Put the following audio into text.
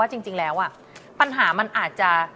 ว่าจริงแล้วอ่ะปัญหามันอาจจะ